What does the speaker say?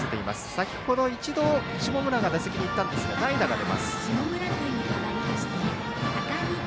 先程、一度下村が打席に行ったんですが代打が出ます。